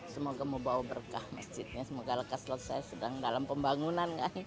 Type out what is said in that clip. semoga mau bawa berkah masjidnya semoga lekas lelah saya sedang dalam pembangunan